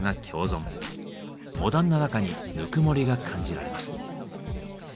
モダンな中にぬくもりが感じられます。